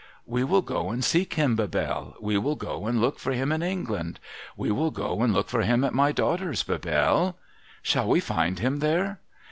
' We will go and seek him, Bebelle, We will go and look for him in England. We will go and look for him at my daughter's, Bebelle.' ' Shall we find him there